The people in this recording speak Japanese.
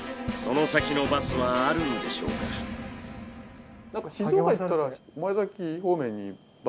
その先のバスはあるんでしょうか。